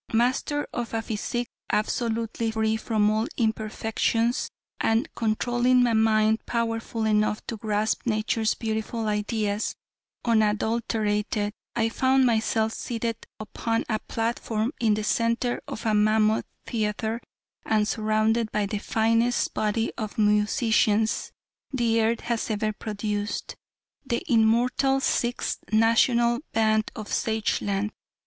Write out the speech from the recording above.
Master of a physique absolutely free from all imperfections, and controlling a mind powerful enough to grasp nature's beautiful ideas unadulterated, I found myself seated upon a platform in the center of a mammoth theatre and surrounded by the finest body of musicians the earth has ever produced the immortal Sixth National Band of Sageland.